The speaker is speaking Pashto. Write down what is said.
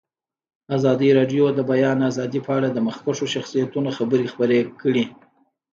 ازادي راډیو د د بیان آزادي په اړه د مخکښو شخصیتونو خبرې خپرې کړي.